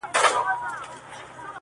له دربار له تخت و تاج څخه پردۍ سوه-